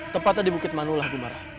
tepatnya di bukit manula gumarah